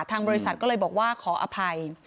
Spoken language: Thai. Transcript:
ทางบริษัทก็เลยบอกว่าขออภัย